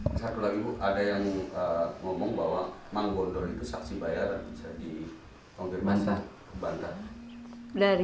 bu satu lagi bu ada yang ngomong bahwa manggondori ke saksi bayaran bisa dikonfirmasi